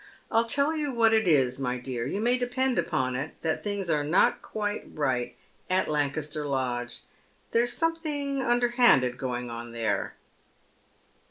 I*n tell you what it is, my dear, you may depend upon it that things are not quite right at Lancaster Lodge. There's something underhanded going on there."